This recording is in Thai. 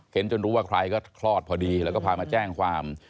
จนรู้ว่าใครก็คลอดพอดีแล้วก็พามาแจ้งความ